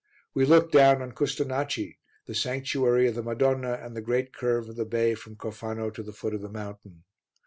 We looked down on Custonaci, the Sanctuary of the Madonna and the great curve of the bay from Cofano to the foot of the mountain.